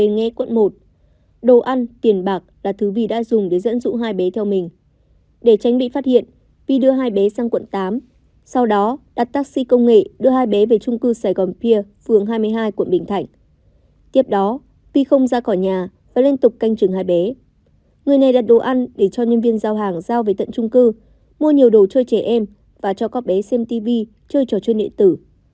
người này đặt đồ ăn để cho nhân viên giao hàng giao về tận trung cư mua nhiều đồ chơi trẻ em và cho các bé xem tv chơi trò chơi nệ tử